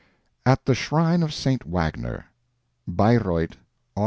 AT THE SHRINE OF ST. WAGNER Bayreuth, Aug.